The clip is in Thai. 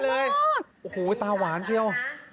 โอ้โหตาหวานเชียว